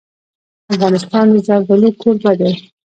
افغانستان د زردالو کوربه دی.